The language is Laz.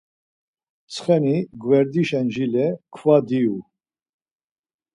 Ntsxeni gverdişen jile kva divu.